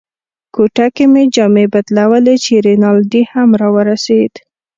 کوټه کې مې جامې بدلولې چې رینالډي هم را ورسېد.